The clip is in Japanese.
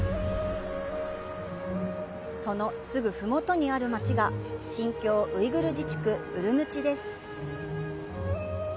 そのすぐふもとにある街が、新彊ウイグル自治区、ウルムチです。